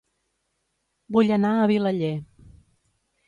Vull anar a Vilaller